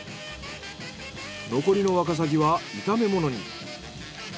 残りのワカサギは炒めものに。